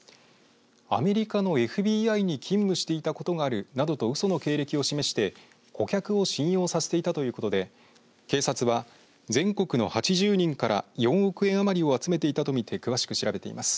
アメリカのＦＢＩに勤務していたことがあるなどとうその経歴を示して顧客を信用させていたということで警察は全国の８０人から４億円余りを集めていたと見て詳しく調べています。